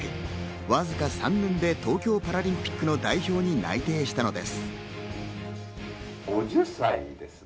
わずか３年で東京パラリンピックの代表に内定したのです。